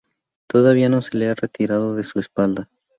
Todavía no se le ha retirado de su espalda.